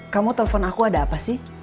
kamu telpon aku ada apa sih